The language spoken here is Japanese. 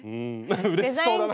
うれしそうだな。